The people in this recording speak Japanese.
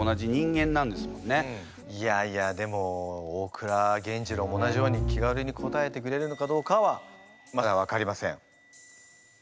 いやいやでも大倉源次郎も同じように気軽に答えてくれるのかどうかはまだ分かりません。